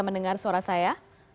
mendengar suara saya